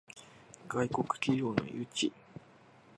外国企業の誘致